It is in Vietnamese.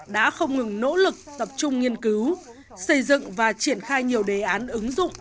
đã không ngừng nỗ lực tập trung nghiên cứu xây dựng và triển khai nhiều đề án ứng dụng